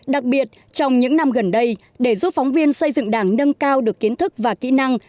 đặc biệt trong những năm gần đây để giúp phóng viên xây dựng đảng nâng cao được kiến thức và kỹ năng